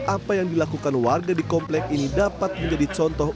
apa yang dilakukan warga di komplek ini dapat menjadi contoh